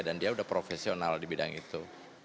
dan dia sudah profesional di bidang itu